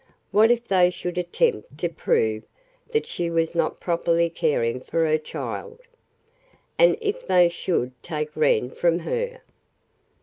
What if they should attempt to prove that she was not properly caring for her child! And if they should take Wren from her!